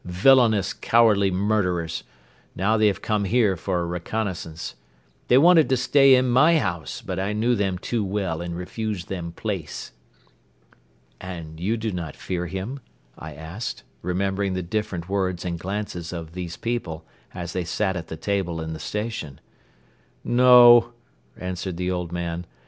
Villainous, cowardly murderers! Now they have come here for a reconnaissance. They wanted to stay in my house but I knew them too well and refused them place." "And you do not fear him?" I asked, remembering the different words and glances of these people as they sat at the table in the station. "No," answered the old man.